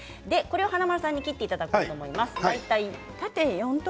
華丸さんに切ってもらおうと思います。